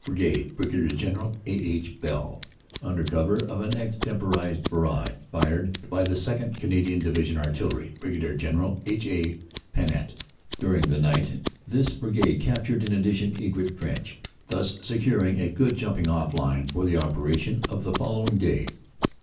Bri gade (Brig. General A. H. Bell), under cover of an extem porized barrage fired by the 2nd. Canadian Divisional Artil lery (Brig. General H. A. Panet). During the night this Brigade captured in addition Egret Trench, thus securing a good jumping ofl line for the operation of the following day.